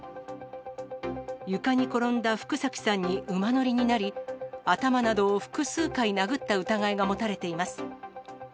床に転んだ福崎さんに馬乗りになり、頭などを複数回殴った疑いが持たれています。